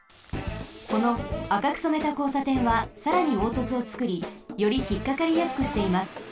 このあかくそめたこうさてんはさらにおうとつをつくりよりひっかかりやすくしています。